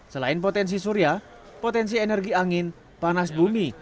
selain potensi surya potensi energi angin panas bumi